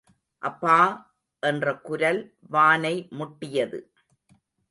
அப்பா! என்ற குரல் வானை முட்டியது.